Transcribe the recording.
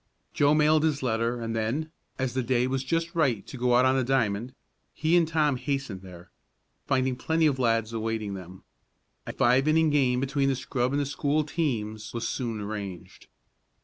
Joe mailed his letter and then, as the day was just right to go out on the diamond, he and Tom hastened there, finding plenty of lads awaiting them. A five inning game between the scrub and school teams was soon arranged.